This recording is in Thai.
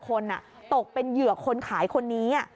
คนตกเป็นเหยื่อคนขายคนนี้